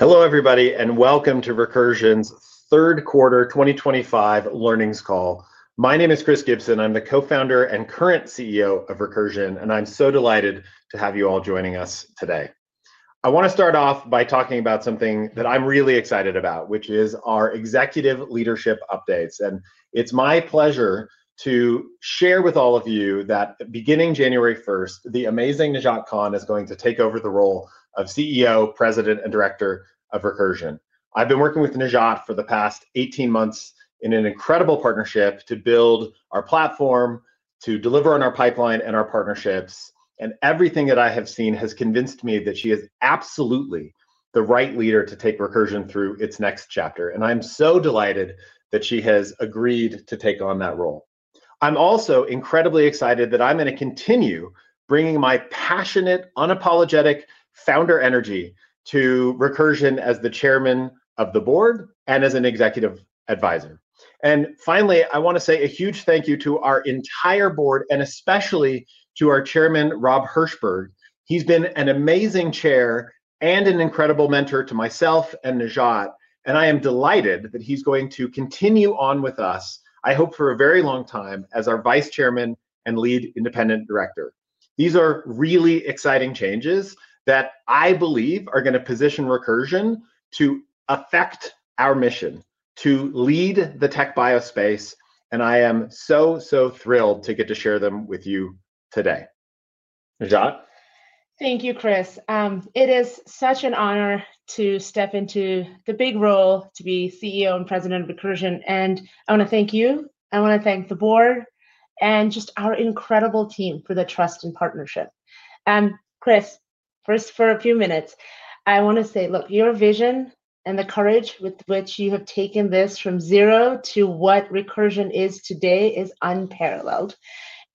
Hello everybody and welcome to Recursion's third quarter 2025 Earnings Call. My name is Chris Gibson. I'm the co-founder and current CEO of Recursion and I'm so delighted to have you all joining us today. I want to start off by talking about something that I'm really excited about, which is our executive leadership updates. It's my pleasure to share with all of you that beginning January 1, the amazing Najat Khan is going to take over the role of CEO, President and Director of Recursion. I've been working with Najat for the past 18 months in an incredible partnership to build our platform, to deliver on our pipeline and our partnerships. Everything that I have seen has convinced me that she is absolutely the right leader to take Recursion through its next chapter. I am so delighted that she has agreed to take on that role. I am also incredibly excited that I am going to continue bringing my passionate, unapologetic founder energy to Recursion as the Chairman of the Board and as an executive advisor. Finally, I want to say a huge thank you to our entire board and especially to our Chairman, Rob Hirschberg. He has been an amazing chair and an incredible mentor to myself and Najat and I am delighted that he is going to continue on with us, I hope for a very long time as our Vice Chairman and Lead Independent Director. These are really exciting changes that I believe are going to position Recursion to affect our mission to lead the tech bio space. I am so, so thrilled to get to share them with you today. Jatt. Thank you, Chris. It is such an honor to step into the big role to be CEO and President of Recursion. I want to thank you, I want to thank the board and just our incredible team for the trust and partnership. Chris, first, for a few minutes, I want to say, look, your vision and the courage with which you have taken this from zero to what Recursion is today is unparalleled.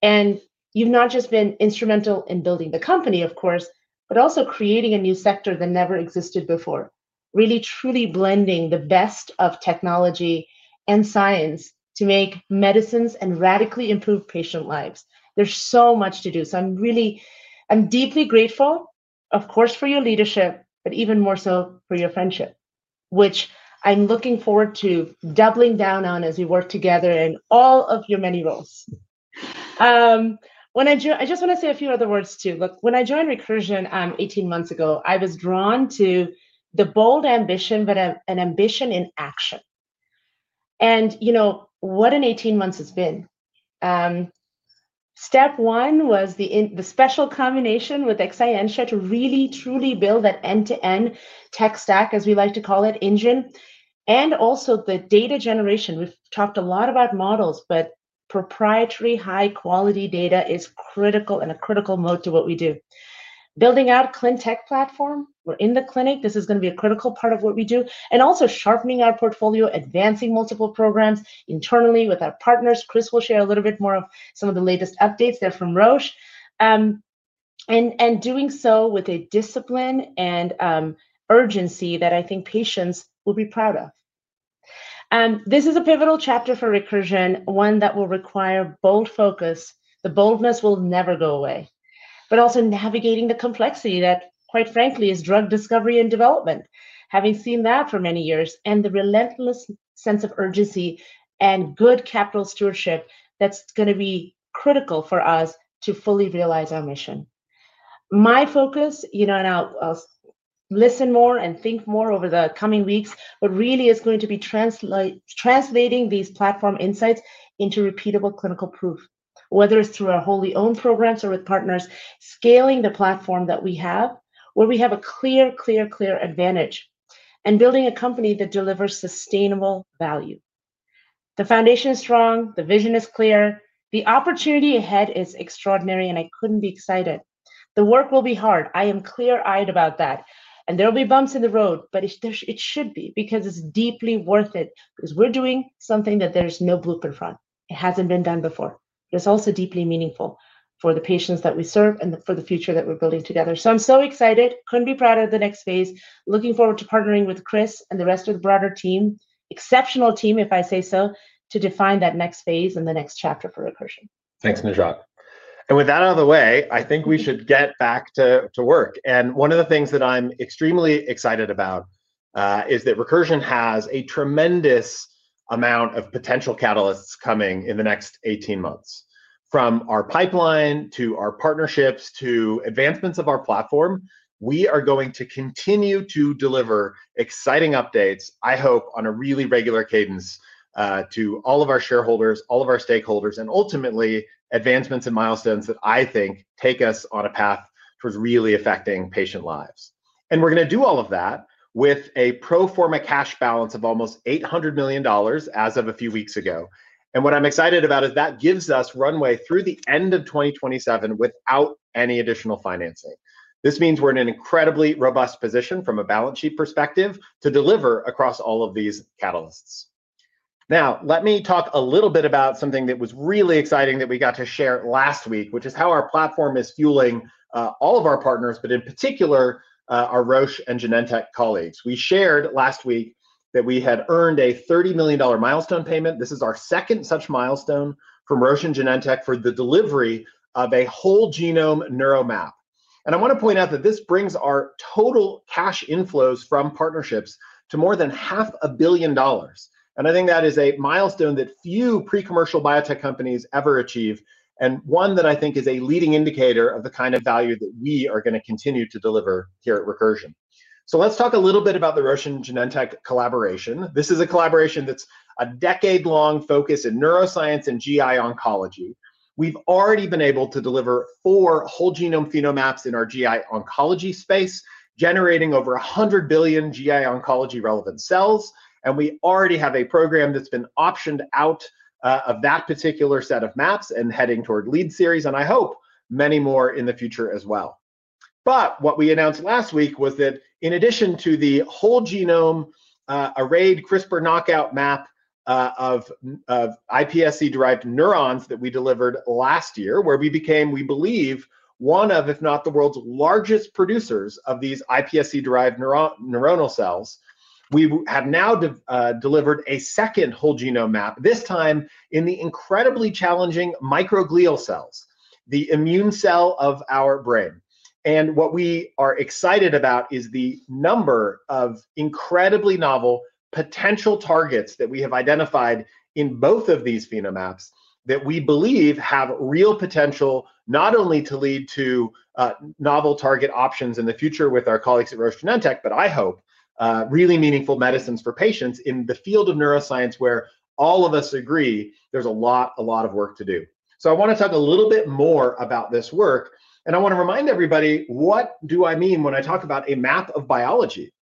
You have not just been instrumental in building the company, of course, but also creating a new sector that never existed before. Really, truly blending the best of technology and science to make medicines and radically improve patient lives. There is so much to do. I'm really, I'm deeply grateful, of course, for your leadership, but even more so for your friendship, which I'm looking forward to doubling down on as we work together in all of your many roles. I just want to say a few other words too. Look, when I joined Recursion 18 months ago, I was drawn to the bold ambition, but an ambition in action. And you know what an 18 months has been. Step one was the special combination with Exscientia to really, truly build that end-to-end tech stack, as we like to call it, engine. And also the data generation. We've talked a lot about models, but proprietary high-quality data is critical and a critical moat to what we do. Building out ClinTech platform. We're in the clinic. This is going to be a critical part of what we do and also sharpening our portfolio, advancing multiple programs internally with our partners. Chris will share a little bit more of some of the latest updates there from Roche and doing so with a discipline and urgency that I think patients will be proud of. This is a pivotal chapter for Recursion, one that will require bold focus. The boldness will never go away. Also navigating the complexity that quite frankly is drug discovery and development. Having seen that for many years, and the relentless sense of urgency and good capital stewardship that's going to be critical for us to fully realize our mission. My focus, you know, and I'll listen more and think more over the coming weeks, but really is going to be translating these platform insights into repeatable clinical proof, whether it's through our wholly owned programs or with partners scaling the platform that we have where we have a clear, clear advantage and building a company that delivers sustainable value. The foundation is strong, the vision is clear, the opportunity ahead is extraordinary. I couldn't be more excited. The work will be hard. I am clear eyed about that and there will be bumps in the road, but it should be because it's deeply worth it, because we're doing something that there's no blueprint for, it hasn't been done before. It's also deeply meaningful for the patients that we serve and for the future that we're building together. I'm so excited. Couldn't be proud of the next phase. Looking forward to partnering with Chris and the rest of the broader team. Exceptional team, if I say so, to define that next phase and the next chapter for Recursion. Thanks, Najat. With that out of the way, I think we should get back to work. One of the things that I'm extremely excited about is that Recursion has a tremendous amount of potential catalysts coming in the next 18 months. From our pipeline to our partnerships to advancements of our platform, we are going to continue to deliver exciting updates, I hope on a really regular cadence to all of our shareholders, all of our stakeholders, and ultimately advancements and milestones that I think take us on a path towards really affecting patient lives. We're going to do all of that with a pro forma cash balance of almost $800 million as of a few weeks ago. What I'm excited about is that gives us runway through the end of 2027 without any additional financing. This means we're in an incredibly robust position from a balance sheet perspective to deliver across all of these catalysts. Now let me talk a little bit about something that was really exciting that we got to share last week, which is how our platform is fueling all of our partners, but in particular our Roche and Genentech colleagues. We shared last week that we had earned a $30 million milestone payment. This is our second such milestone from Roche and Genentech for the delivery of a whole genome neuromap. I want to point out that this brings our total cash inflows from partnerships to more than $500,000,000. I think that is a milestone that few pre commercial biotech companies ever achieve and one that I think is a leading indicator of the value that we are going to continue to deliver here at Recursion. Let's talk a little bit about the Roche and Genentech collaboration. This is a collaboration that's a decade long focus in neuroscience and GI oncology. We've already been able to deliver four whole genome phenomaps in our GI oncology space, generating over 100 billion GI oncology relevant cells. We already have a program that's been optioned out of that particular set of maps and heading toward lead series and I hope many more in the future as well. What we announced last week was that in addition to the whole genome arrayed CRISPR knockout map of iPSC-derived neurons that we delivered last year, where we became, we believe, one of, if not the world's largest producers of these iPSC-derived neuronal cells, we have now delivered a second whole genome map, this time in the incredibly challenging microglial cells, the immune cell of our brain. What we are excited about is the number of incredibly novel potential targets that we have identified in both of these phenomaps that we believe have real potential not only to lead to novel target options in the future with our colleagues at Roche Genentech, but I hope really meaningful medicines for patients in the field of neuroscience where all of us agree there's a lot, a lot of work to do. I want to talk a little bit more about this work. I want to remind everybody what do I mean when I talk about a map of biology.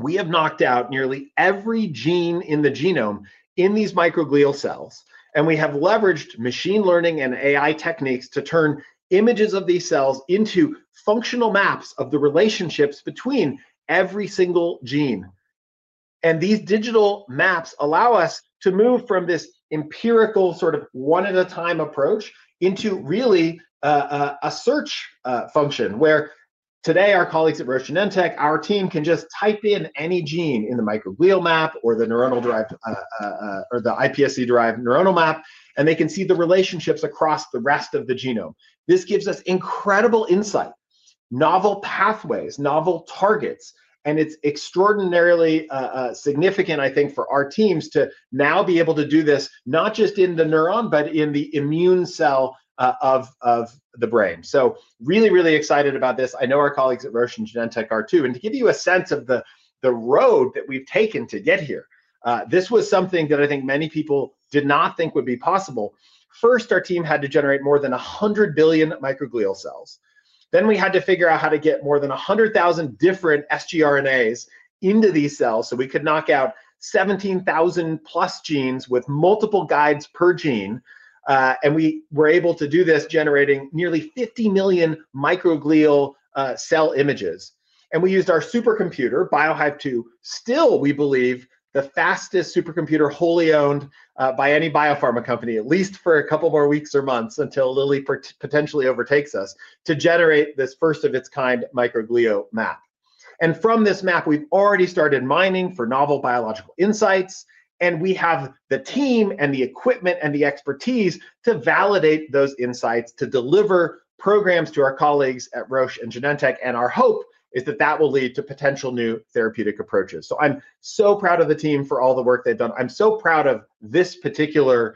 We have knocked out nearly every gene in the genome in these microglial cells. We have leveraged machine learning and AI techniques to turn images of these cells into functional maps of the relationships between every single gene. These digital maps allow us to move from this empirical sort of one at a time approach into really a search function where today our colleagues at Roche Genentech, our team can just type in any gene in the microglial map or the neuronal derived, or the iPSC-derived neuronal map, and they can see the relationships across the rest of the genome. This gives us incredible insight, novel pathways, novel targets. It is extraordinarily significant, I think, for our teams to now be able to do this not just in the neuron, but in the immune cell of the brain. Really, really excited about this. I know our colleagues at Roche and Genentech are too. To give you a sense of the road that we have taken to get here, this was something that I think many people did not think would be possible. First, our team had to generate more than 100 billion microglial cells. Then we had to figure out how to get more than 100,000 different sgRNAs into these cells so we could knock out 17,000 plus genes with multiple guides per gene. We were able to do this, generating nearly 50 million microglial cell images. We used our supercomputer, BioHive-2, still, we believe, the fastest supercomputer wholly owned by any biopharma company, at least for a couple more weeks or months, until Lilly potentially overtakes us, to generate this first of its kind microglia map. From this map, we have already started mining for novel biological insights. We have the team and the equipment and the expertise to validate those insights, to deliver programs to our colleagues at Roche and Genentech. Our hope is that that will lead to potential new therapeutic approaches. I'm so proud of the team for all the work they've done. I'm so proud of this particular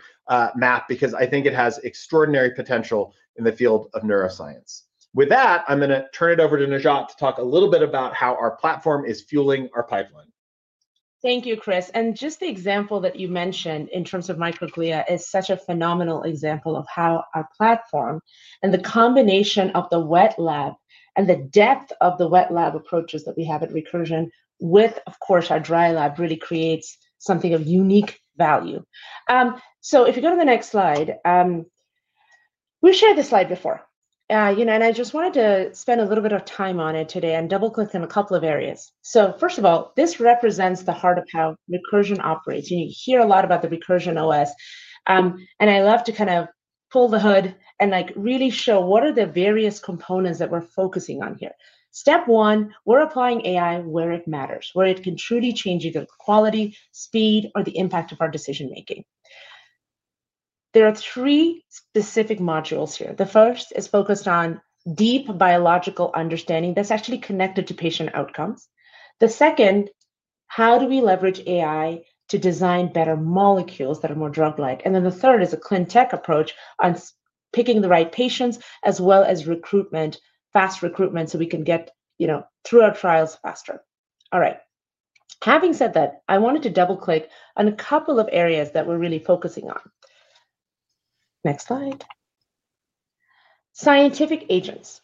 map because I think it has extraordinary potential in the field of neuroscience. With that, I'm going to turn it over to Najat to talk a little bit about how our platform is fueling our pipeline. Thank you, Chris. Just the example that you mentioned in terms of microglia is such a phenomenal example of how our platform and the combination of the wet lab and the depth of the wet lab approaches that we have at Recursion with, of course, our dry lab really creates something of unique value. If you go to the next slide, we shared this slide before and I just wanted to spend a little bit of time on it today and double click on a couple of areas. First of all, this represents the heart of how Recursion operates. You hear a lot about the Recursion OS and I love to pull the hood and really show what are the various components that we're focusing on here. Step one, we're applying AI where it matters, where it can truly change either quality, speed, or the impact of our decision making. There are three specific modules here. The first is focused on deep biological understanding that's actually connected to patient outcomes. The second, how do we leverage AI to design better molecules that are more drug like? The third is a ClinTech approach on picking the right patients as well as recruitment, fast recruitment so we can get through our trials faster. All right, having said that, I wanted to double click on a couple of areas that we're really focusing on. Next slide, scientific agents.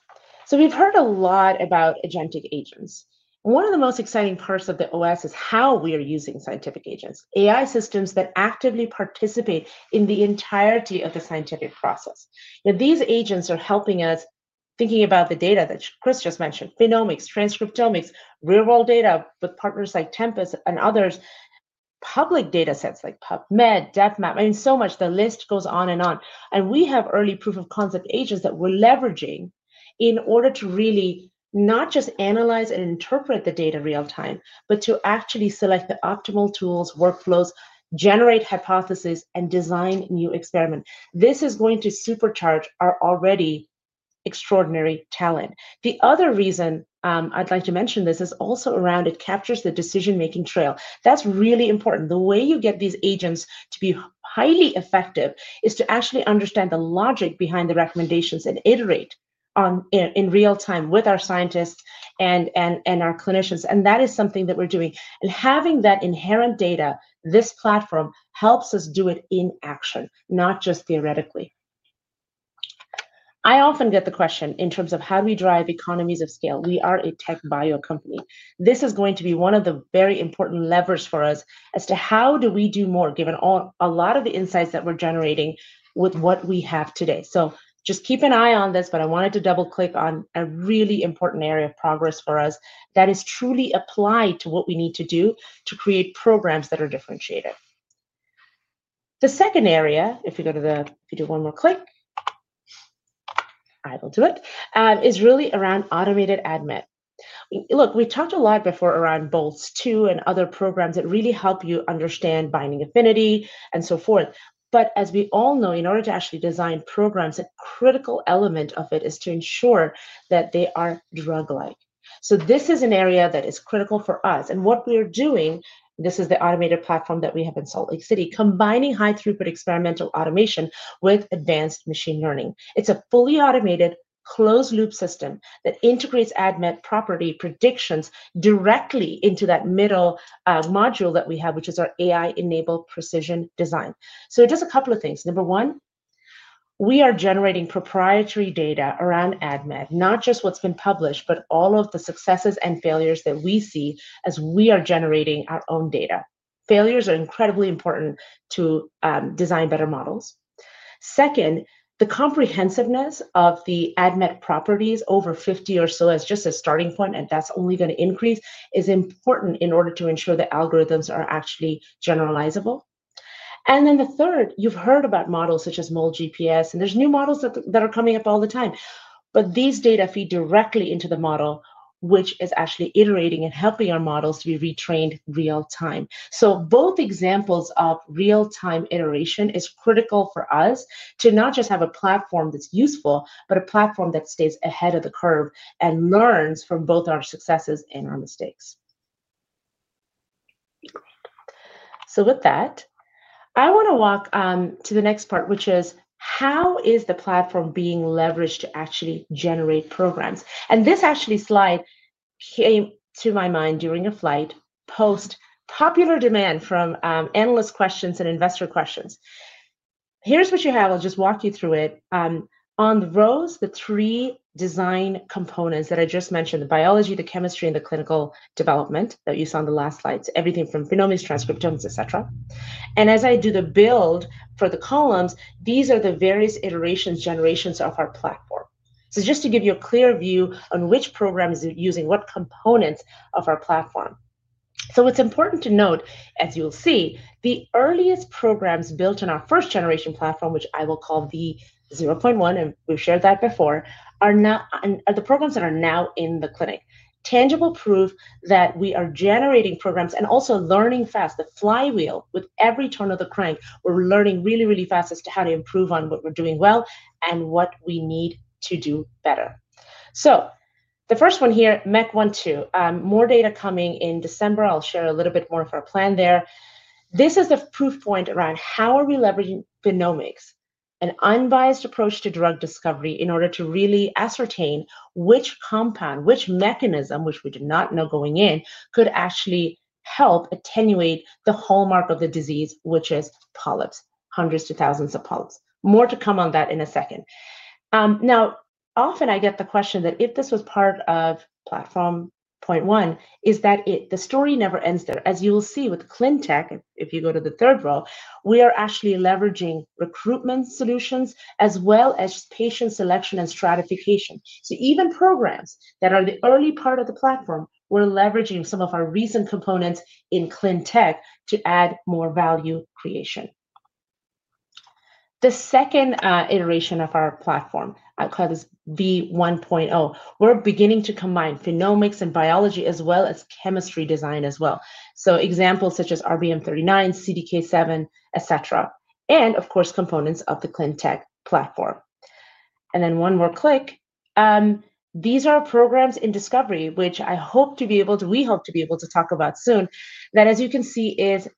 We've heard a lot about agentic agents. One of the most exciting parts of the OS is how we are using scientific agents, AI systems that actively participate in the entirety of the scientific process. These agents are helping us. Thinking about the data that Chris just mentioned. Phenomics, transcriptomics, real world data with partners like Tempus and others, public data sets like PubMed, depth map. I mean so much, the list goes on and on, and we have early proof of concept agents that we're leveraging in order to really not just analyze and interpret the data real time, but to actually select the optimal tools, workflows, generate hypothesis, and design new experiment. This is going to supercharge our already extraordinary talent. The other reason I'd like to mention this is also around. It captures the decision making trail that's really important. The way you get these agents to be highly effective is to actually understand the logic behind the recommendations and iterate in real time with our scientists and our clinicians. That is something that we're doing and having that inherent data, this platform helps us do it in action, not just theoretically. I often get the question in terms of how do we drive economies of scale. We are a tech bio company. This is going to be one of the very important levers for us as to how do we do more given a lot of the insights that we're generating with what we have today. Just keep an eye on this. I wanted to double click on a really important area of progress for us that is truly applied to what we need to do to create programs that are differentiated. The second area, if we go to the one more click I will do it, is really around automated ADMET. Look, we talked a lot before around Boltz-2 and other programs that really help you understand binding affinity and so forth. As we all know, in order to actually design programs, a critical element of it is to ensure that they are drug-like. This is an area that is critical for us and what we are doing is this is the automated platform that we have in Salt Lake City combining high throughput experimental automation with advanced machine learning. It is a fully automated closed loop system that integrates ADMET property predictions directly into that middle module that we have, which is our AI-enabled precision design. It does a couple of things. Number one, we are generating proprietary data around ADMET. Not just what has been published, but all of the successes and failures that we see as we are generating our own data. Failures are incredibly important to design better models. Second, the comprehensiveness of the ADMET properties, over 50 or so as just a starting point and that's only going to increase, is important in order to ensure the algorithms are actually generalizable. Third, you've heard about models such as MOL GPS and there are new models that are coming up all the time, but these data feed directly into the model which is actually iterating and helping our models to be retrained real time. Both examples of real time iteration are critical for us to not just have a platform that's useful, but a platform that stays ahead of the curve and learns from both our successes and our mistakes. With that, I want to walk to the next part, which is how is the platform being leveraged to actually generate programs? This slide actually came to my mind during a flight post popular demand from analyst questions and investor questions. Here is what you have. I'll just walk you through it. On the rows, the three design components that I just mentioned, the biology, the chemistry, and the clinical development that you saw in the last slides, everything from phenomics, transcriptomics, etc. As I do the build for the columns, these are the various iterations, generations of our platform. Just to give you a clear view on which program is using what components of our platform. It is important to note, as you'll see, the earliest programs were built in our first generation platform, which I will call V01, and we've shared that before, the programs that are now in the clinic, tangible proof that we are generating programs and also learning fast, the flywheel. With every turn of the crank, we're learning really, really fast as to how to improve on what we're doing well and what we need to do better. The first one here, MEK 12, more data coming in December. I'll share a little bit more of our plan there. This is a proof point around how are we leveraging phenomics, an unbiased approach to drug discovery, in order to really ascertain which compound, which mechanism, which we do not know going in, could actually help attenuate the hallmark of the disease, which is polyps. Hundreds to thousands of polyps. More to come on that in a second. Now, often I get the question that if this was part of platform point one is that the story never ends there. As you will see with ClinTech if you go to the third row, we are actually leveraging recruitment solutions as well as patient selection and stratification. Even programs that are the early part of the platform, we are leveraging some of our recent components in ClinTech to add more value creation. The second iteration of our platform cloud is v1.0. We are beginning to combine phenomics and biology as well as chemistry design as well. Examples such as RBM39, CDK7, et cetera, and of course components of the ClinTech platform. One more click. These are programs in Discovery which I hope to be able to, we hope to be able to talk about soon. That, as you can see, is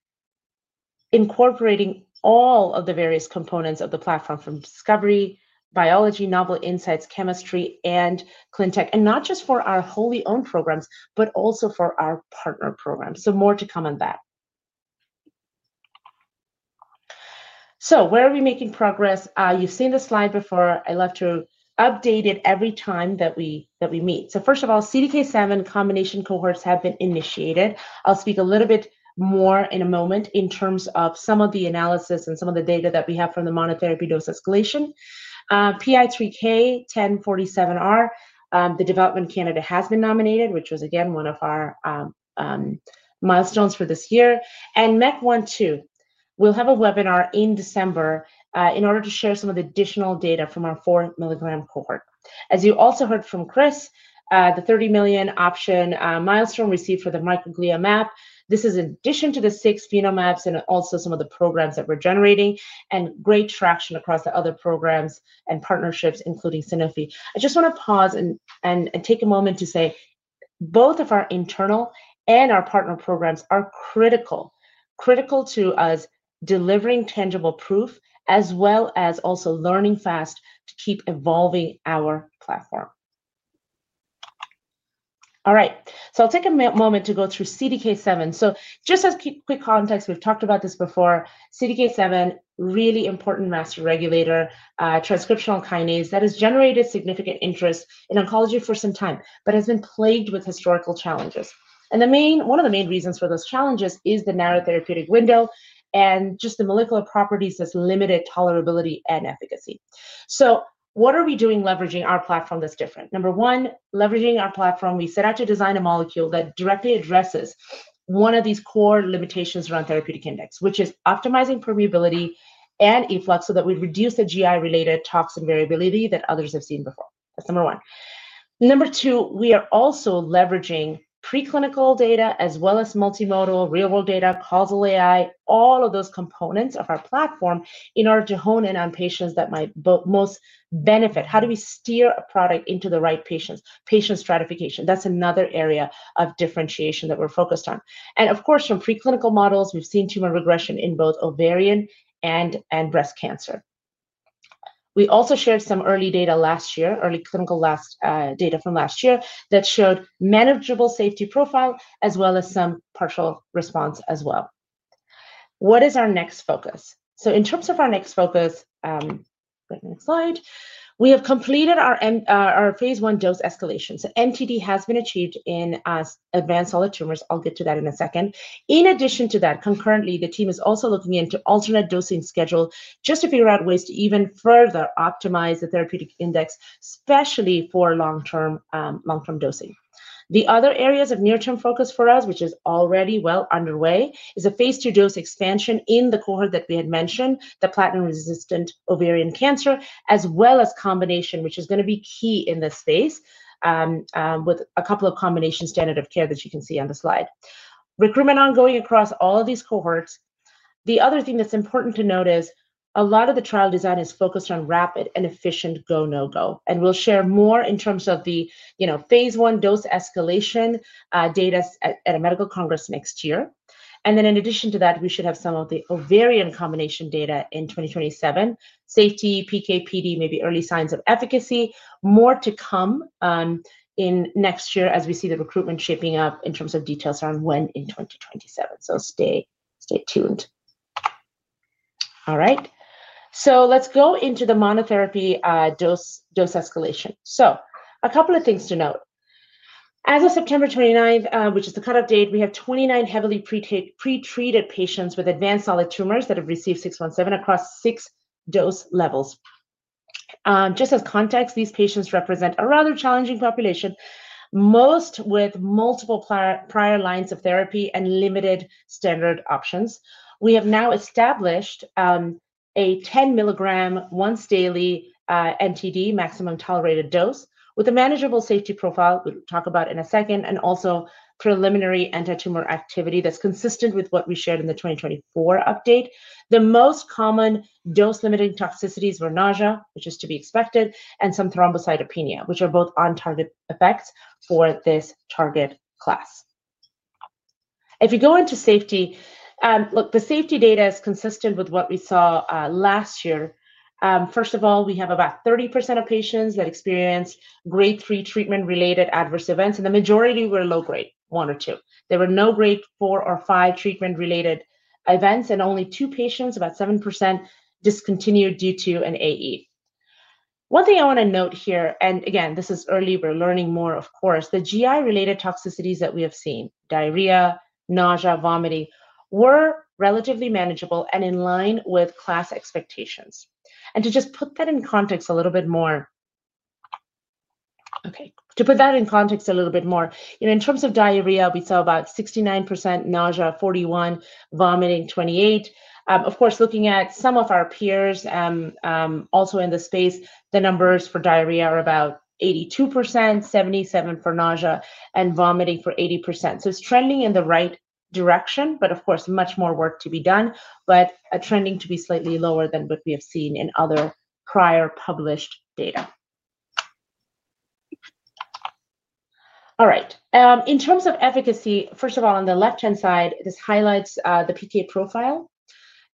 incorporating all of the various components of the platform from Discovery, Biology, Novel Insights, Chemistry, and ClinTech. Not just for our wholly owned programs, but also for our partner programs. More to come on that. Where are we making progress? You've seen the slide before. I love to update it every time that we meet. First of all, CDK7 combination cohorts have been initiated. I'll speak a little bit more in a moment in terms of some of the analysis and some of the data that we have from the monotherapy dose escalation. PI3KαH1047R, the development candidate, has been nominated, which was again one of our milestones for this year. MEC 1, 2, we'll have a webinar in December in order to share some of the additional data from our 4 milligram cohort. As you also heard from Chris, the $30 million option milestone received for the Microglia map. This is in addition to the six phenomaps and also some of the programs that we're generating and great traction across the other programs and partnerships including Sanofi. I just want to pause and take a moment to say both of our internal and our partner programs are critical. Critical to us delivering tangible proof as well as also learning fast to keep evolving our platform. All right, I'll take a moment to go through CDK7. Just as quick context, we've talked about this before. CDK7 is a really important master regulator transcriptional kinase that has generated significant interest in oncology for some time but has been plagued with historical challenges and one of the main reasons for those challenges is the narrow therapeutic window and just the molecular properties that have limited tolerability and efficacy. What are we doing? Leveraging our platform that's different. Number one, leveraging our platform we set out to design a molecule that directly addresses one of these core limitations around therapeutic index, which is optimizing permeability and efflux so that we reduce the GI related toxin variability that others have seen before. That's number one. Number two, we are also leveraging preclinical data as well as multimodal real world data, causal AI, all of those components of our platform in order to hone in on patients that might most benefit. How do we steer a product into the right patients? Patient stratification, that's another area of differentiation that we're focused on. Of course, from preclinical models we've seen tumor regression in both ovarian and breast cancer. We also shared some early data last year, early clinical data from last year that showed manageable safety profile as well as some partial response as well. What is our next focus in terms of our next focus? Next slide. We have completed our phase I dose escalation, so MTD has been achieved in advanced solid tumors. I'll get to that in a second. In addition to that, concurrently the team is also looking into alternate dosing schedule just to figure out ways to even further optimize the therapeutic index, especially for long term dosing. The other areas of near term focus for us, which is already well underway, is a phase II dose expansion in the cohort that we had mentioned, the platinum resistant ovarian cancer, as well as combination, which is going to be key in this space with a couple of combination standard of care that you can see on the slide. Recruitment ongoing across all of these cohorts. The other thing that's important to note is a lot of the trial design is focused on rapid and efficient go, no go, and we'll share more in terms of the phase I dose escalation data at a medical congress next year. In addition to that, we should have some of the ovarian combination data in 2027. Safety PK PD, maybe early signs of efficacy, more to come in next year as we see the recruitment shaping up in terms of details around when in 2027. Stay tuned. All right, let's go into the monotherapy dose escalation. A couple of things to note. As of September 29, which is the cutoff date, we have 29 heavily pretreated patients with advanced solid tumors that have received 617 across six dose levels. Just as context, these patients represent a rather challenging population, most with multiple prior lines of therapy and limited standard options. We have now established a 10 milligram once daily MTD, maximum tolerated dose, with a manageable safety profile. We'll talk about that in a second. Also, preliminary antitumor activity that's consistent with what we shared in the 2024 update. The most common dose limiting toxicities are nausea, which is to be expected, and some thrombocytopenia, which are both on-target effects for this target class. If you go into safety, the safety data is consistent with what we saw last year. First of all, we have about 30% of patients that experience grade 3 treatment-related adverse events and the majority were low grade one or two. There were no grade four or five treatment-related events and only two patients, about 7%, discontinued due to an AE. One thing I want to note here, and again, this is early, we're learning more, of course, the GI related toxicities that we have seen, diarrhea, nausea, vomiting, were relatively manageable and in line with class expectations. To just put that in context a little bit more. In terms of diarrhea, we saw about 69%, nausea, 41%, vomiting, 28%. Of course, looking at some of our peers also in the space, the numbers for diarrhea are about 82%, 77% for nausea, and vomiting for 80%. It is trending in the right direction, but of course, much more work to be done, but trending to be slightly lower than what we have seen in other prior published data. All right, in terms of efficacy, first of all, on the left hand side, this highlights the PK profile,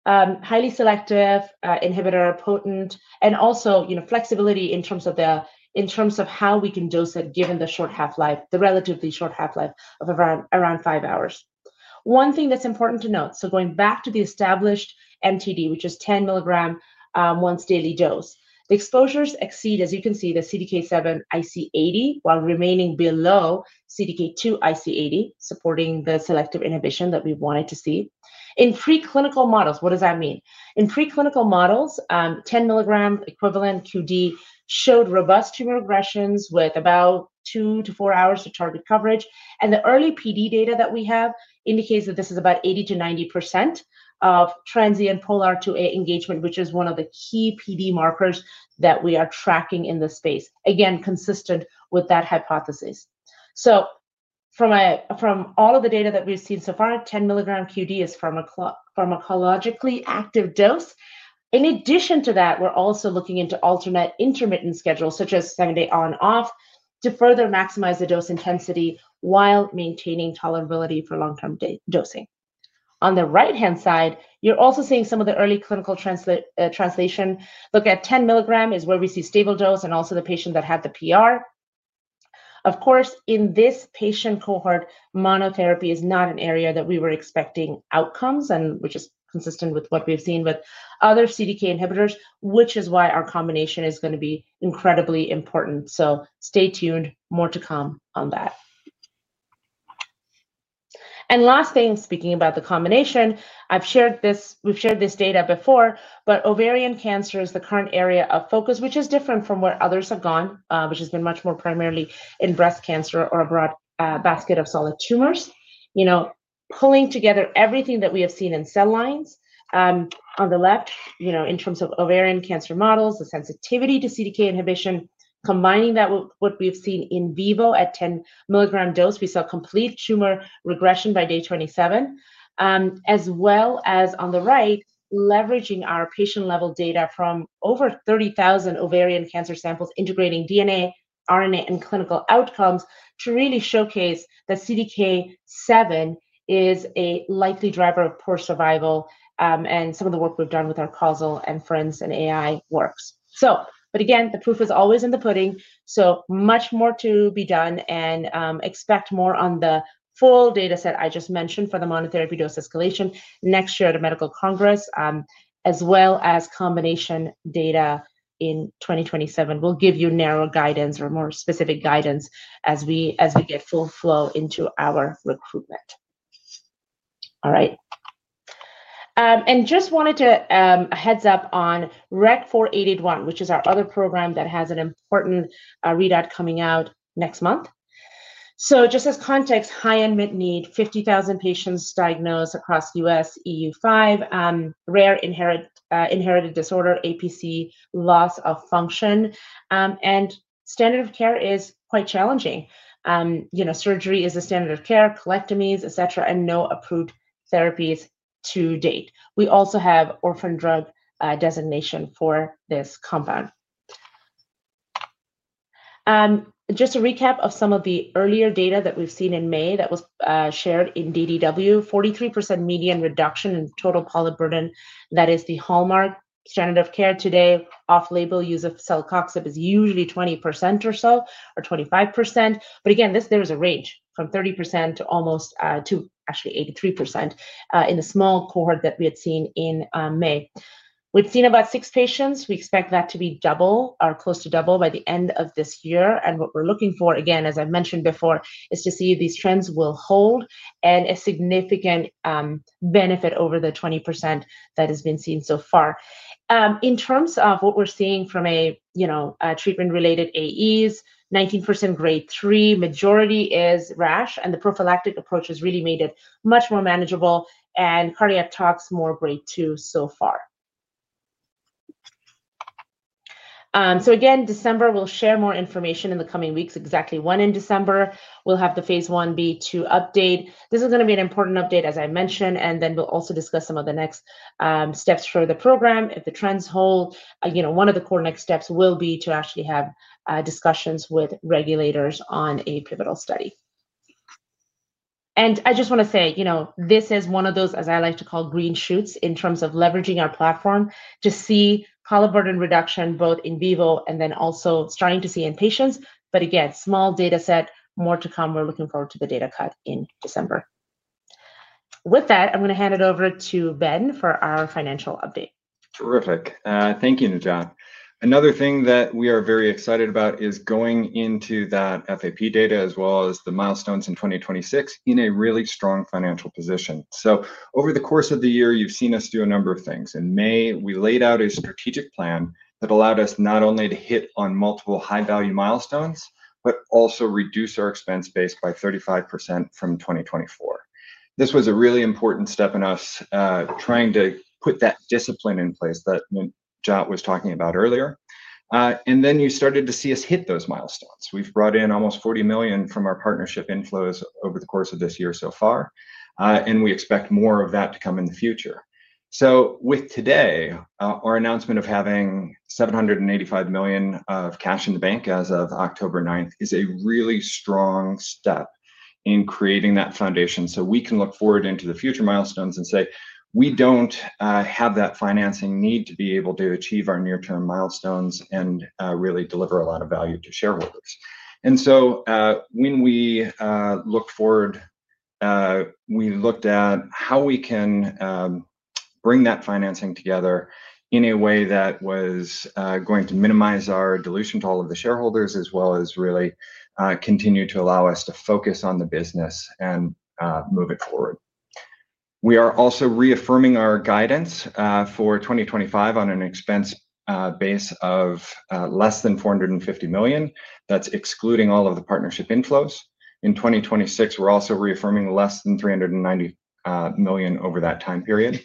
highly selective inhibitor, potent, and also, you know, flexibility in terms of the, in terms of how we can dose it given the short half life, the relatively short half life of around five hours. One thing that's important to note, so going back to the established MTD, which is 10 milligram once daily dose, the exposures exceed, as you can see, the CDK7 IC80 while remaining below CDK2 IC80, supporting the selective inhibition that we wanted to see in preclinical models. What does that mean in preclinical models? 10 milligram equivalent QD showed robust tumor regressions with about 2-4 hours to target coverage. The early PD data that we have indicates that this is about 80-90% of transient POLR2A engagement, which is one of the key PD markers that we are tracking in this space. Again, consistent with that hypothesis. From all of the data that we've seen so far, 10 milligram QD is a pharmacologically active dose. In addition to that, we're also looking into alternate intermittent schedules such as seven day on off to further maximize the dose intensity while maintaining tolerability for long term dosing. On the right hand side, you're also seeing some of the early clinical translation. Look at 10 milligram is where we see stable dose and also the patient that had the primary. Of course in this patient cohort monotherapy is not an area that we were expecting outcomes and which is consistent with what we've seen with other CDK inhibitors, which is why our combination is going to be incredibly important. Stay tuned. More to come on that. Last thing, speaking about the combination, we've shared this data before, but ovarian cancer is the current area of focus, which is different from where others have gone, which has been much more primarily in breast cancer or a broad basket of solid tumors. Pulling together everything that we have seen in cell lines on the left in terms of ovarian cancer models, the sensitivity to CDK inhibition, combining that with what we've seen in vivo at 10 mg dose, we saw complete tumor regression by day 27 as well as on the right leveraging our patient level data from over 30,000 ovarian cancer samples, integrating DNA, RNA and clinical outcomes to really showcase that CDK7 is a likely driver of poor survival. Some of the work we've done with our causal inference and AI works, but again, the proof is always in the pudding. Much more to be done and expect more on the full data set I just mentioned for the monotherapy dose escalation next year at a medical congress as well as combination data in 2027. We'll give you narrow guidance or more specific guidance as we get full flow into our recruitment. All right. Just wanted to give a heads up on REC-4881, which is our other program that has an important readout coming out next month. Just as context, high and mid 50,000 patients diagnosed across U.S. EU5, rare inherited disorder, APC loss of function, and standard of care is quite challenging. Surgery is a standard of care, colectomies, et cetera, and no approved therapies to date. We also have orphan drug designation for this compound. Just a recap of some of the earlier data that we've seen in May that was shared in DDW, 43% median reduction in total polyburden. That is the hallmark standard of care today. Off-label use of celecoxib is usually 20% or so or 25%. Again, there is a range from 30% to actually 83%. In the small cohort that we had seen in May, we've seen about six patients. We expect that to be double or close to double by the end of this year. What we're looking for, again as I mentioned before, is to see if these trends will hold and a significant benefit over the 20% that has been seen so far. In terms of what we're seeing from a, you know, treatment-related AEs, 19% grade 3, majority is rash, and the prophylactic approach has really made it much more manageable, and cardiac tox more grade 2 so far. December, we'll share more information in the coming weeks. Exactly, in December we'll have the phase 1b/2 update. This is going to be an important update as I mentioned. We will also discuss some of the next steps for the program. If the trends hold, you know, one of the core next steps will be to actually have discussions with regulators on a pivotal study. I just want to say, you know, this is one of those, as I like to call, green shoots in terms of leveraging our platform to see color burden reduction both in vivo and then also starting to see in patients. Again, small data set, more to come. We are looking forward to the data cut in December. With that, I am going to hand it over to Ben for our financial update. Terrific. Thank you, Najat. Another thing that we are very excited about is going into that FAP data as well as the milestones in 2026 in a really strong financial position. Over the course of the year, you have seen us do a number of things. In May, we laid out a strategic plan that allowed us not only to hit on multiple high value milestones, but also reduce our expense base by 35% from 2024. This was a really important step in us trying to put that discipline in place that Najat was talking about earlier. You started to see us hit those milestones. We have brought in almost $40 million from our partnership inflows over the course of this year so far. We expect more of that to come in the future. With today, our announcement of having $785 million of cash in the bank as of October 9 is a really strong step in creating that foundation so we can look forward into the future milestones and say we do not have that financing need to be able to achieve our near term milestones and really deliver a lot of value to shareholders. When we look forward, we looked at how we can bring that financing together in a way that was going to minimize our dilution to all of the shareholders, as well as really continue to allow us to focus on the business and move it forward. We are also reaffirming our guidance for 2025 on an expense base of less than $450 million. That is excluding all of the partnership inflows. In 2026, we are also reaffirming less than $390 million over that time period.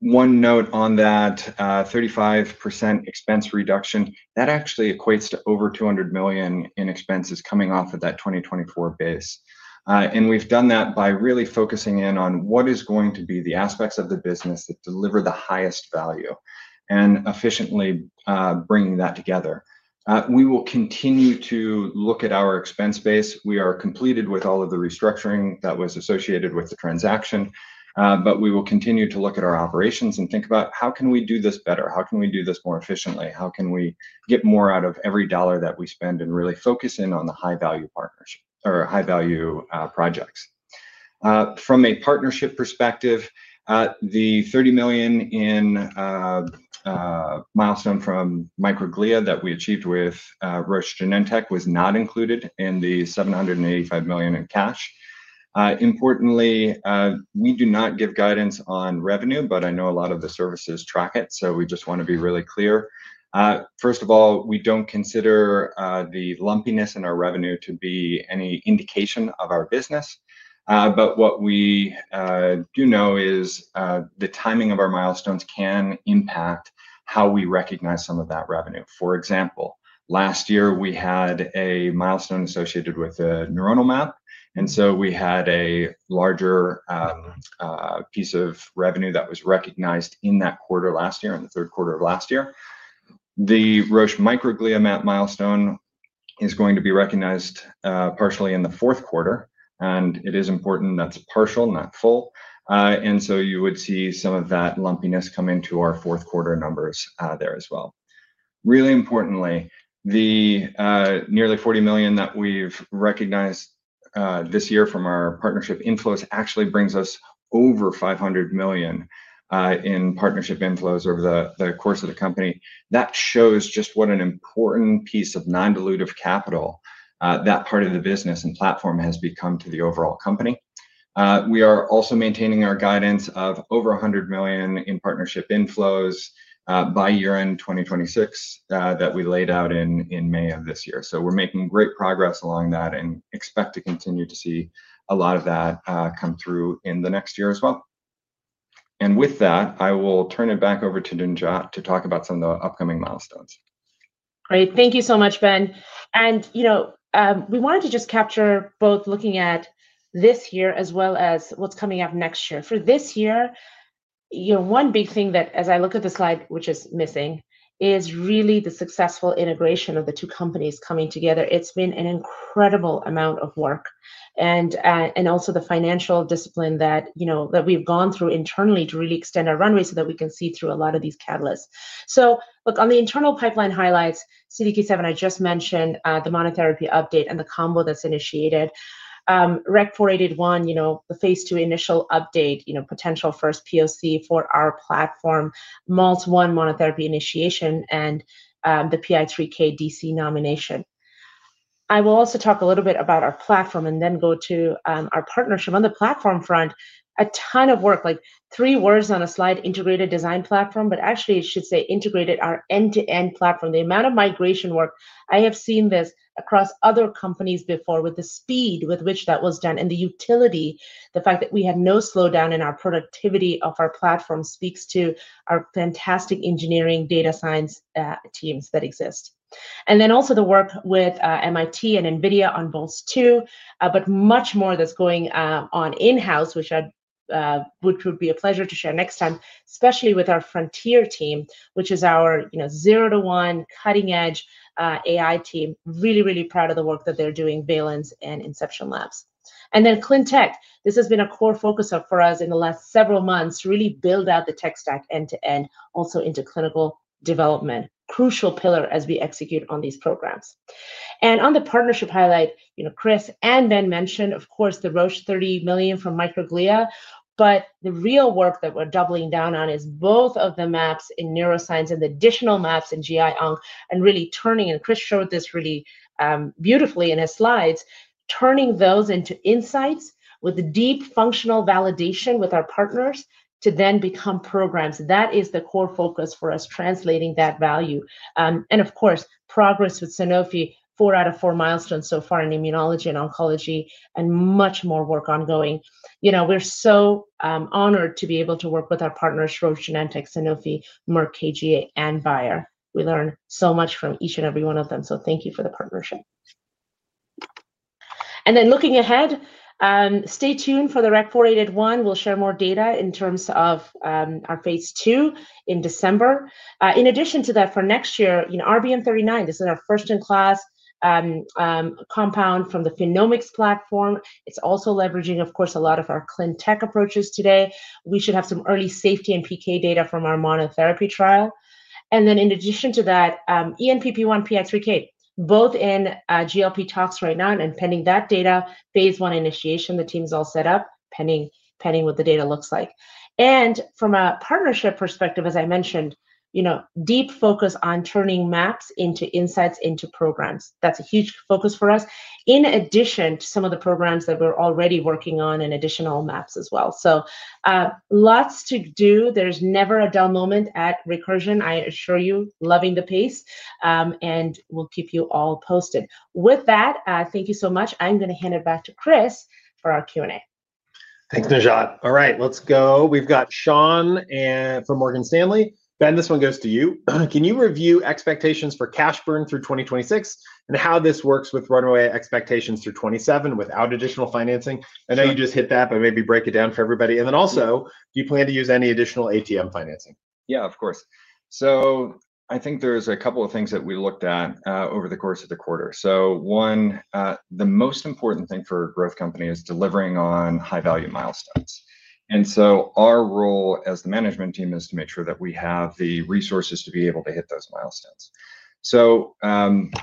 One note on that 35% expense reduction that actually equates to over $200 million in expenses coming off of that 2024 base. We've done that by really focusing in on what is going to be the aspects of the business that deliver the highest value and efficiently bringing that together. We will continue to look at our expense base. We are completed with all of the restructuring that was associated with the transaction. We will continue to look at our operations and think about how can we do this better, how can we do this more efficiently, how can we get more out of every dollar that we spend and really focus in on the high value partnership or high value projects. From a partnership perspective, the $30 million in milestone from Microglia that we achieved with Roche Genentech was not included in the $785 million in cash. Importantly, we do not give guidance on revenue, but I know a lot of the services track it. So we just want to be really clear. First of all, we do not consider the lumpiness in our revenue to be any indication of our business. What we do know is the timing of our milestones can impact how we recognize some of that revenue. For example, last year we had a milestone associated with a neuronal map. We had a larger piece of revenue that was recognized in that quarter last year, in the third quarter of last year. The Roche Microglia map milestone is going to be recognized partially in the fourth quarter and it is important that is partial, not full. You would see some of that lumpiness come into our fourth quarter numbers there as well. Really importantly, the nearly $40 million that we've recognized this year from our partnership inflows actually brings us over $500 million in partnership inflows over the course of the company. That shows just what an important piece of non-dilutive capital that part of the business and platform has become to the overall company. We are also maintaining our guidance of over $100 million in partnership inflows by year end 2026 that we laid out in May of this year. We're making great progress along that and expect to continue to see a lot of that come through in the next year as well. With that I will turn it back over to Najat to talk about some of the upcoming milestones. Great. Thank you so much, Ben. You know, we wanted to just capture both looking at this year as well as what's coming up next year. For this year, one big thing that as I look at the slide which is missing is really the successful integration of the two companies coming together. It's been an incredible amount of work and also the financial discipline that we've gone through internally to really extend our runway so that we can see through a lot of these catalysts. Look on the internal pipeline highlights. CDK7, I just mentioned the monotherapy update and the combo that's initiated. REC-401, you know, the phase two initial update, you know, potential first POC for our platform, MALT1 monotherapy initiation, and the PI3K DC nomination. I will also talk a little bit about our platform and then go to our partnership on the platform front. A ton of work, like three words on a slide, integrated design platform, but actually it should say integrated our end to end platform. The amount of migration work, I have seen this across other companies before with the speed with which that was done and the utility. The fact that we had no slowdown in our productivity of our platform speaks to our fantastic engineering data science teams that exist. Then also the work with MIT and NVIDIA on Boltz-2. Much more that is going on in house which would be a pleasure to share next time, especially with our Frontier team which is our zero to one cutting edge AI team. Really, really proud of the work that they are doing. VAL and Inception Labs and then ClinTech, this has been a core focus for us in the last several months. Really build out the tech stack end to end also into clinical development. Crucial pillar as we execute on these programs. On the partnership highlight, Chris and Ben mentioned, of course, the Roche $30 million from Microglia. The real work that we're doubling down on is both of the maps in neuroscience and additional maps in GI Onk and really turning, and Chris showed this really beautifully in his slides, turning those into insights with the deep functional validation with our partners to then become programs. That is the core focus for us, translating that value and of course, progress with Sanofi. Four out of four milestones so far in immunology and oncology and much more work ongoing. You know, we're so honored to be able to work with our partners, Roche, Genentech, Sanofi, Merck KGaA, and Bayer. We learn so much from each and every one of them. So thank you for the partnership and then looking ahead. Stay tuned for the REC-4881. We'll share more data in terms of our phase two in December. In addition to that for next year in RBM39. This is our first in class compound from the Phenomics platform. It's also leveraging, of course, a lot of our ClinTech approaches. Today. We should have some early safety and PK data from our monotherapy trial. And then in addition to that, ENPP1, PI3K, both in GLP tox right now. And pending that data, phase one initiation, the team's all set up, pending what the data looks like. From a partnership perspective, as I mentioned, deep focus on turning maps into insights into programs. That is a huge focus for us, in addition to some of the programs that we are already working on and additional maps as well. Lots to do. There is never a dull moment at Recursion, I assure you. Loving the pace and we will keep you all posted with that. Thank you so much. I am going to hand it back to Chris for our Q and A. Thanks, Najat. All right, let's go. We've got Sean from Morgan Stanley. Ben, this one goes to you. Can you review expectations for cash burn through 2026 and how this works with runway expectations through 2027 without additional financing? I know you just hit that, but maybe break it down for everybody. Also, do you plan to use any additional ATM financing? Yeah, of course. I think there's a couple of things that we looked at over the course of the quarter. One, the most important thing for a growth company is delivering on high value milestones. Our role as the management team is to make sure that we have the resources to be able to hit those milestones.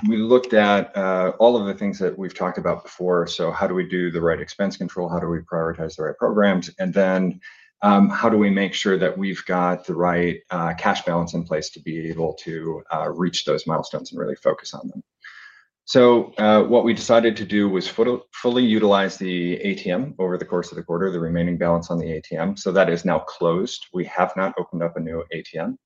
We looked at all of the things that we've talked about before. How do we do the right expense control, how do we prioritize the right programs? How do we make sure that we've got the right cash balance in place to be able to reach those milestones and really focus on them? What we decided to do was fully utilize the ATM over the course of the quarter. The remaining balance on the ATM, that is now closed. We have not opened up a new ATM.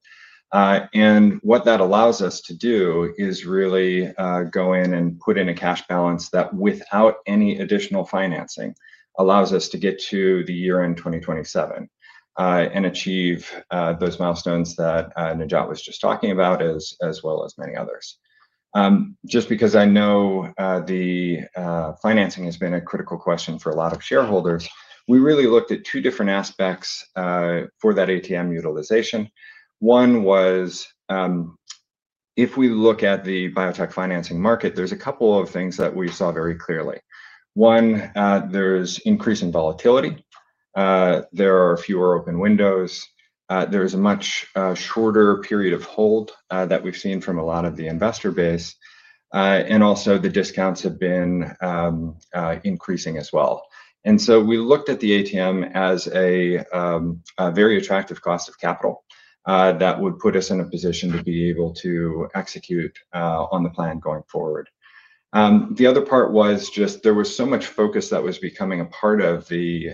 What that allows us to do is really go in and put in a cash balance that, without any additional financing, allows us to get to the year end 2027 and achieve those milestones that Najat was just talking about as well as many others. Just because I know the financing has been a critical question for a lot of shareholders, we really looked at two different aspects for that ATM utilization. One was if we look at the biotech financing market, there are a couple of things that we saw very clearly. One, there is increasing volatility, there are fewer open windows, there is a much shorter period of hold that we have seen from a lot of the investor base. Also, the discounts have been increasing as well. We looked at the ATM as a very attractive cost of capital that would put us in a position to be able to execute on the plan going forward. Forward. The other part was just there was so much focus that was becoming a part of the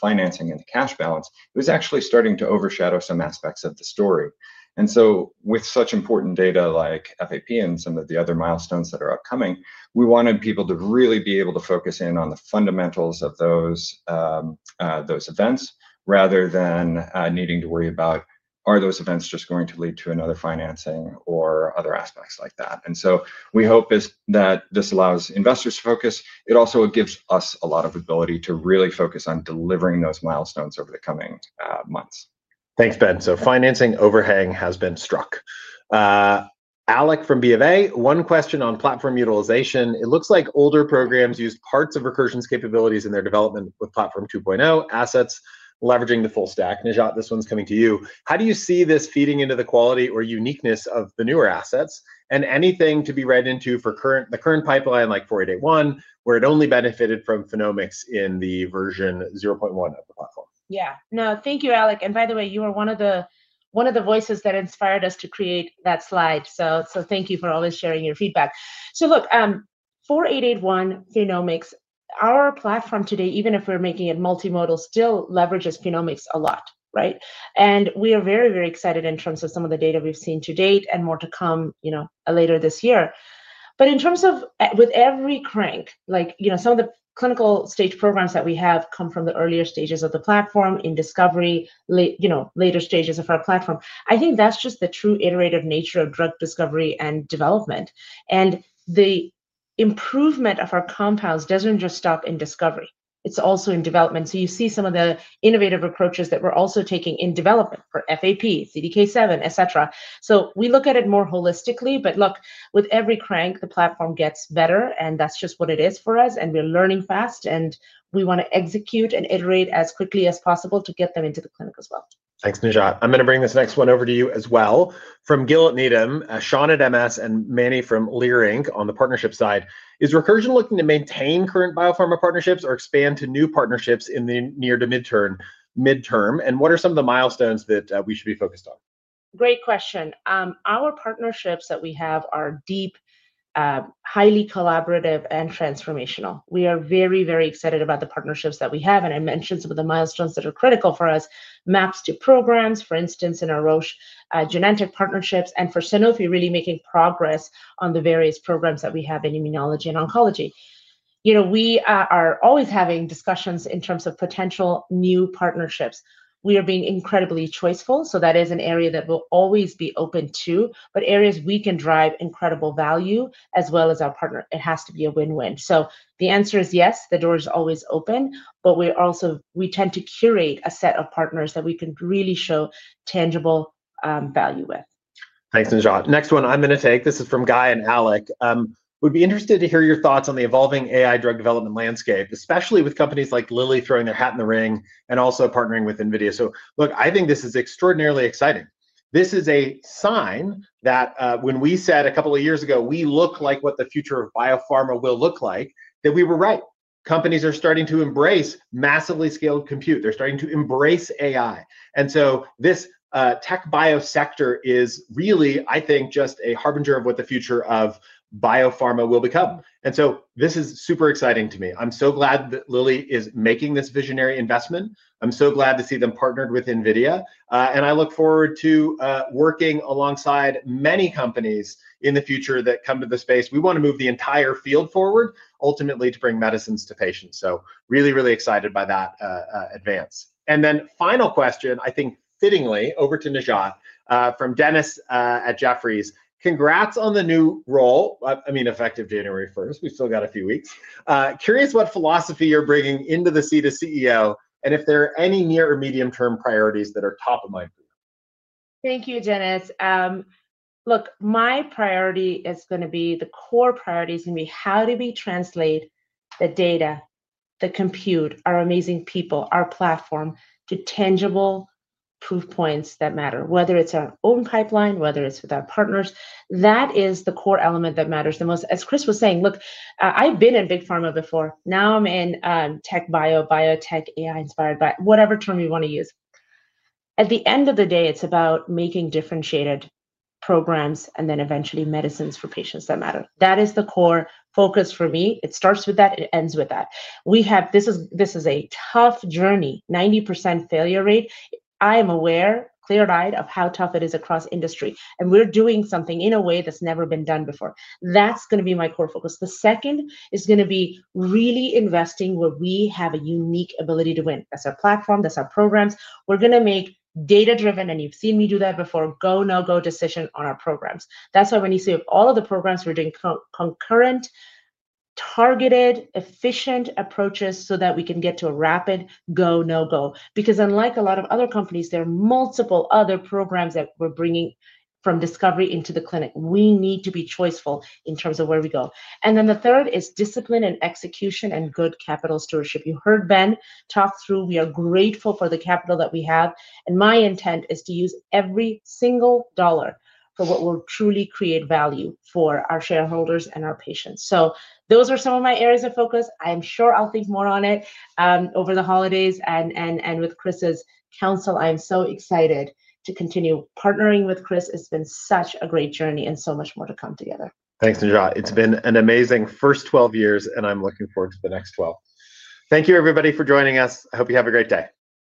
financing and the cash balance, it was actually starting to overshadow some aspects of the story. With such important data like FAP and some of the other milestones that are upcoming, we wanted people to really be able to focus in on the fundamentals of those events rather than needing to worry about are those events just going to lead to another financing or other aspects like that. We hope that this allows investors to focus. It also gives us a lot of ability to really focus on delivering those milestones over the coming months. Thanks, Ben. Financing overhang has been struck. Alec from B of A. One question on platform utilization. It looks like older programs used parts of Recursion's capabilities in their development with Platform 2.0 assets leveraging the full stack. Najat, this one's coming to you. How do you see this feeding into the quality or uniqueness of the newer assets and anything to be read into for the current pipeline like 4881, where it only benefited from phenomics in the version 0.1 of the platform. Yeah, no, thank you, Alec. And by the way, you are one of the voices that inspired us to create that slide, so thank you for always sharing your feedback. Look, 4881 Phenomics, our platform today, even if we're making it multimodal, still leverages phenomics a lot, right? We are very, very excited in terms of some of the data we've seen to date and more to come, you know, later this year. In terms of with every crank, like, you know, some of the clinical stage programs that we have come from the earlier stages of the platform in discovery, you know, later stages of our platform, I think that's just the true iterative nature of drug discovery and development. The improvement of our compounds doesn't just stop in discovery, it's also in development. You see some of the innovative approaches that we're also taking in development for FAP, CDK7, et cetera. We look at it more holistically. With every crank the platform gets better and that's just what it is for us. We're learning fast and we want to execute and iterate as quickly as possible to get them into the clinic as well. Thanks, Najat. I'm going to bring this next one over to you as well from Gil at Needham, Sean at MS, and Manny from Lear. On the partnership side, is Recursion looking to maintain current biopharma partnerships or expand to new partnerships in the near to midterm. What are some of the milestones. That we should be focused on? Great question. Our partnerships that we have are deep, highly collaborative and transformational. We are very, very excited about the partnerships that we have. I mentioned some of the milestones that are critical for us, maps to programs, for instance in our Roche Genentech partnerships and for Sanofi, really making progress, progress on the various programs that we have in immunology and oncology. You know, we are always having discussions in terms of potential new partnerships. We are being incredibly choiceful. That is an area that will always be open to, but areas we can drive incredible value as well as our partner. It has to be a win, win. The answer is yes, the door is always open. We also, we tend to curate a set of partners that we can really show tangible value with. Thanks, Najat. Next one, I'm going to take this is from Guy and Alec. Would be interested to hear your thoughts on the evolving AI drug development landscape, especially with companies like Lilly throwing their hat in the ring and also partnering with NVIDIA. Look, I think this is extraordinarily exciting. This is a sign that when we said a couple of years ago we look like what the future of biopharma will look like, that we were right. Companies are starting to embrace massively scaled compute, they're starting to embrace AI. This tech bio sector is really, I think, just a harbinger of what the future of biopharma will become. This is super exciting to me. I'm so glad that Lilly is making this visionary investment. I'm so glad to see them partnered with NVIDIA and I look forward to working alongside many companies in the future that come to the space. We want to move the entire field forward ultimately to bring medicines to patients. Really, really excited by that advance. Final question, I think fittingly over to Najat from Dennis at Jefferies. Congrats on the new role. I mean effective January 1, we've still got a few weeks. Curious what philosophy you're bringing into the seat of CEO and if there are any near or medium term priorities that are top of mind for you. Thank you, Dennis. Look, my priority is gonna be the core. Core priorities can be how do we translate the data, the compute, our amazing people, our platform to tangible proof points that matter. Whether it's our own pipeline, whether it's with our partners. That is the core element that matters the most. As Chris was saying, look, I've been in big pharma before, now I'm in tech bio. Biotech AI inspired by whatever term you want to use. At the end of the day it's about making differentiated programs and then eventually medicines for patients that matter. That is the core focus for me. It starts with that, it ends with that. We have, this is a tough journey. 90% failure rate. I am aware, clear eyed of how tough it is across industry and we're doing something in a way that's never been done before. That's going to be my core focus. The second is going to be really investing where we have a unique ability to win. That's our platform, that's our program. Programs we're going to make data driven and you've seen me do that before, go, no go decision on our programs. That's why when you see all of the programs, we're doing concurrent, targeted, efficient approaches so that we can get to a rapid go, no go, because unlike a lot of other companies, there are multiple other programs that we're bringing from discovery into the clinic. We need to be choiceful in terms of where we go. The third is discipline and execution and good capital stewardship. You heard Ben talk through. We are grateful for the capital that we have. My intent is to use every single dollar for what will truly create value for our shareholders and our patients. Those are some of my areas of focus. I'm sure I'll think more on it over the holidays. With Chris's counsel, I am so excited to continue partnering with Chris. It's been such a great journey and so much more to come together. Thanks, Najat. It's been an amazing first 12 years, and I'm looking forward to the next 12. Thank you, everybody, for joining us. I hope you have a great day.